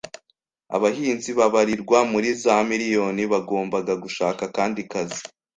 Abahinzi babarirwa muri za miriyoni bagombaga gushaka akandi kazi.